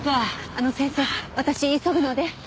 あの先生私急ぐので。